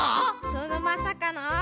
そのまさかの。